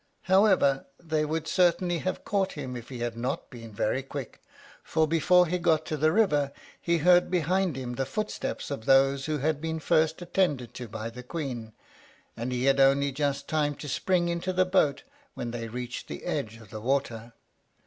However, they would certainly have caught him if he had not been very quick, for before he got to the river he heard behind him the footsteps of those who had been first attended to by the Queen, and he had only just time to spring into the boat when they reached the edge of the water.